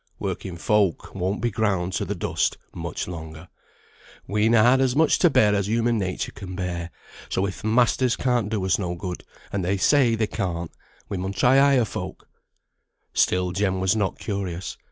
"Working folk won't be ground to the dust much longer. We'n a' had as much to bear as human nature can bear. So, if th' masters can't do us no good, and they say they can't, we mun try higher folk." Still Jem was not curious.